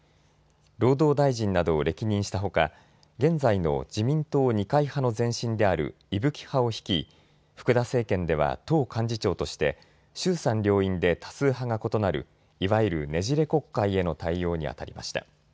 労働大臣などを歴任したほか現在の自民党二階派の前身である伊吹派を率い福田政権では党幹事長として衆参両院で多数派が異なるいわゆる、ねじれ国会への対応にあたりました。